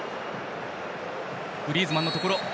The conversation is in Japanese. グリーズマンのところ。